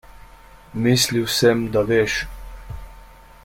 Mislil sem, da veš.